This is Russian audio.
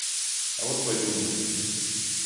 А вот пойду умоюсь.